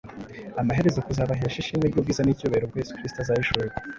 amaherezo kuzabahesha ishimwe n’ubwiza n’icyubahiro, ubwo yesu kristo azahishurwa